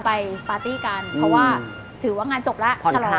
ปาร์ตี้กันเพราะว่าถือว่างานจบแล้ว